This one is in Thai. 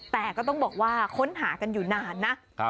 แต่ก็ต้องบอกว่าค้นหากันอยู่นานนะ